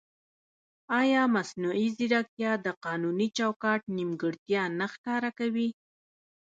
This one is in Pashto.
ایا مصنوعي ځیرکتیا د قانوني چوکاټ نیمګړتیا نه ښکاره کوي؟